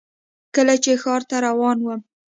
کله چې ښار ته روان وم .